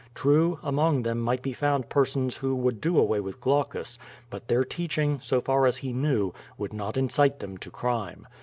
True, among them might be found persons who would do away with Olaueus, but their teaching, so far as he knew, would not incite them to crime.